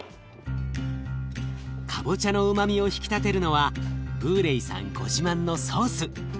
かぼちゃのうまみを引き立てるのはブーレイさんご自慢のソース。